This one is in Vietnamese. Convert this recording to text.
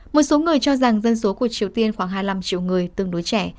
một số người cho rằng dân số của triều tiên khoảng hai mươi năm triệu người tương đối trẻ